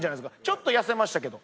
ちょっと痩せましたけど。